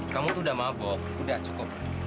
kamu tuh udah mabok udah cukup